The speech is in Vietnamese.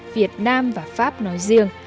việt nam và pháp nói riêng